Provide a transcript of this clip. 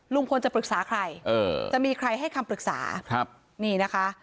ลุงพลจะปรึกษาใครจะมีใครให้คำปรึกษาครับนี่นะคะ